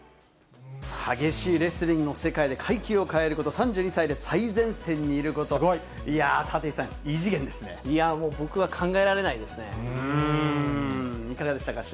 激しいレスリングの世界で階級を変えること、３２歳で最前線にいること、いやー、立石さん、いやもう、僕は考えられないいかがでしたか？